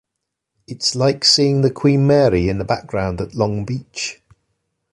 It’s like seeing the "Queen Mary" in the background at Long Beach.